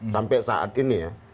sampai saat ini ya